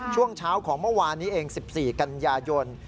ช่วงเช้าของเมื่อวานนี้เอง๑๔กันยายน